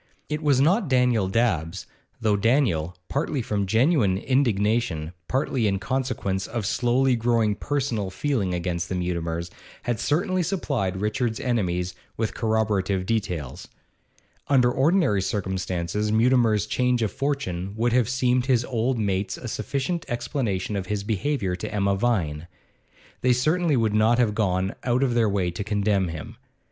It was not Daniel Dabbs, though Daniel, partly from genuine indignation, partly in consequence of slowly growing personal feeling against the Mutimers, had certainly supplied Richard's enemies with corroborative details. Under ordinary circumstances Mutimer's change of fortune would have seemed to his old mates a sufficient explanation of his behaviour to Emma Vine; they certainly would not have gone out of their way to condemn him.